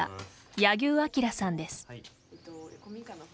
柳生明良さんです。